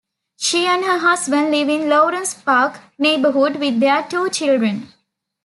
She and her husband live in the Lawrence Park neighbourhood with their two children.